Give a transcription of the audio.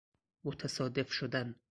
متصادف شدن